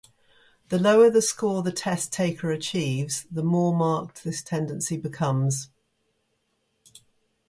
The lower the score the test taker achieves, the more marked this tendency becomes.